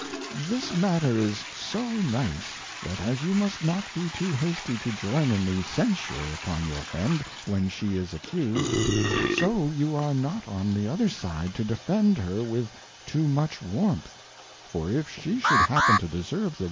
This Matter is so nice, that as you must not be too hasty to joyn in the Censure upon your Friend when she is accused, so you are not on the other side to defend her with too much warmth ; for if she should happen to deserve the Report FRIENDSHIPS.